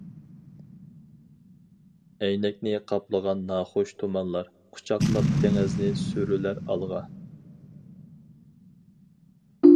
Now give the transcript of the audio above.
ئەينەكنى قاپلىغان ناخۇش تۇمانلار، قۇچاقلاپ دېڭىزنى سۈرۈلەر ئالغا.